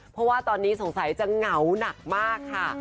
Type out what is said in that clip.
เพราะว่าตอนนี้สงสัยจะเหงาหนักมากค่ะ